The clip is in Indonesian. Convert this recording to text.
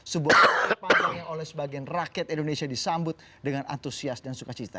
sebuah pertempuran yang oleh sebagian rakyat indonesia disambut dengan antusias dan suka cerita